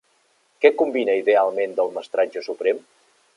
Què combina idealment del mestratge suprem?